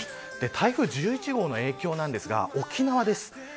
台風１１号の影響ですが沖縄です。